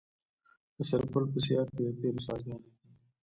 د سرپل په صیاد کې د تیلو څاګانې دي.